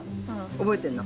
覚えてんの？